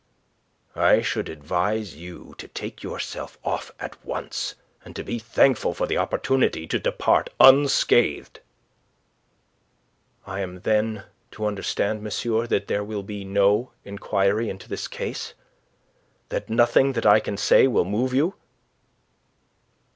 "I should advise you to take yourself off at once, and to be thankful for the opportunity to depart unscathed." "I am, then, to understand, monsieur, that there will be no inquiry into this case? That nothing that I can say will move you?"